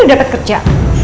ini udah dapet kerja